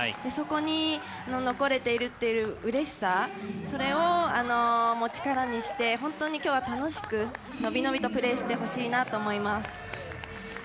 そこに残れているっていううれしさ、それを力にして、本当にきょうは楽しく、伸び伸びとプレーしてほしいなと思います。